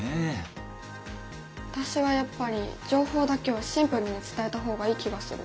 私はやっぱり情報だけをシンプルに伝えた方がいい気がする。